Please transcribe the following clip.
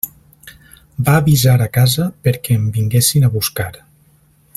Va avisar a casa perquè em vinguessin a buscar.